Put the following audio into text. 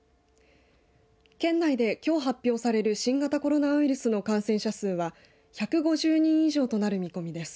県内で、きょう発表される新型コロナウイルスの感染者数は１５０人以上となる見込みです。